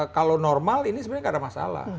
kalau normal ini sebenarnya nggak ada masalah